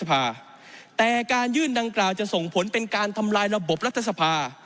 อำนาจหน้าที่ของรัฐทรรภาแต่การยื่นดังกล่าจะส่งผลเป็นการทำลายระบบรัฐทรภา